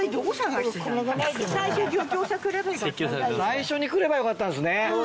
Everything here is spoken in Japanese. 最初に来ればよかったんですね！